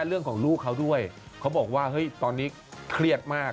เรื่องของลูกเขาด้วยเขาบอกว่าเฮ้ยตอนนี้เครียดมาก